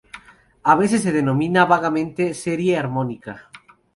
A veces se denomina vagamente serie armónica.